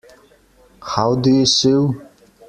How do you sew?